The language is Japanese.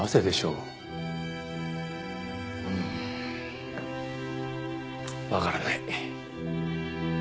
うーんわからない。